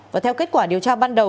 và theo kết quả điều tra ban đầu